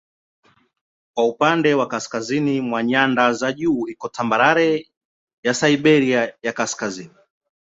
Kwa upande wa kaskazini mwa nyanda za juu iko tambarare ya Siberia ya Kaskazini.